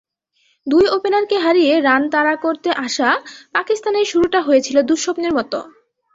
দুই ওপেনারকে হারিয়ে রান তাড়া করতে আসা পাকিস্তানের শুরুটা হয়েছিল দুঃস্বপ্নের মতো।